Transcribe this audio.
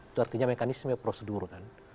itu artinya mekanisme prosedur kan